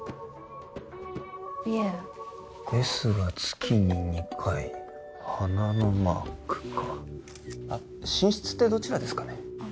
いえＳが月に２回花のマークかあっ寝室ってどちらですかねあっ